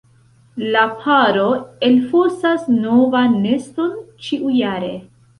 La paro elfosas novan neston ĉiujare.